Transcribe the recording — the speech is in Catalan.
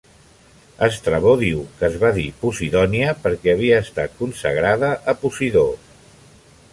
Estrabó diu que es va dir Posidònia perquè havia estat consagrada a Posidó.